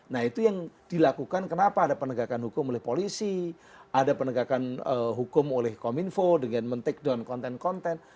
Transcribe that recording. nah itu yang dilakukan kenapa ada penegakan hukum oleh polisi ada penegakan hukum oleh kominfo dengan men take down konten konten